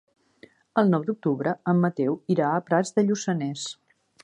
El nou d'octubre en Mateu irà a Prats de Lluçanès.